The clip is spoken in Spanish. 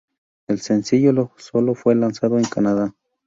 El sencillo solo fue lanzado en Canadá.